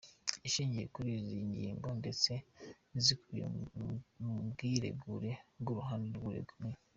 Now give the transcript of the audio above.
Ashingiye kuri izi ngingo ndetse n’izikubiye mu bwiregure bw’uruhande rw’uregwa, Me.